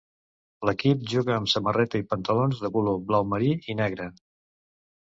L'equip juga amb samarreta i pantalons de color blau marí i negre.